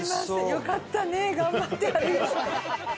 よかったね頑張って歩いて。